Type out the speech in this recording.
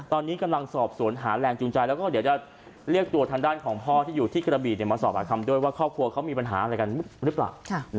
ตอนนี้กำลังสอบสวนหาแรงจูงใจแล้วก็เดี๋ยวจะเรียกตัวทางด้านของพ่อที่อยู่ที่กระบีมาสอบปากคำด้วยว่าครอบครัวเขามีปัญหาอะไรกันหรือเปล่า